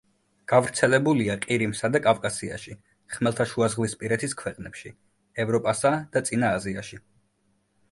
გავრცელებულია ყირიმსა და კავკასიაში, ხმელთაშუაზღვისპირეთის ქვეყნებში, ევროპასა და წინა აზიაში.